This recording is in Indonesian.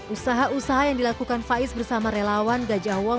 usaha usaha yang dilakukan faiz bersama relawan gajah wong